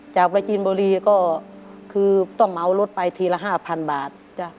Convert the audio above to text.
ประจีนบุรีก็คือต้องเอารถไปทีละ๕๐๐๐บาท